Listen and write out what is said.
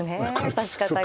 指し方が。